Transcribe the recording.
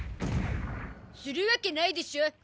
するわけないでしょ。